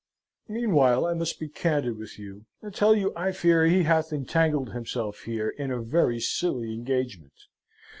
"Meanwhile, I must be candid with you, and tell you I fear he hath entangled himself here in a very silly engagement.